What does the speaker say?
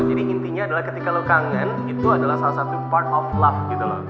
jadi intinya adalah ketika lo kangen itu adalah salah satu part of love gitu loh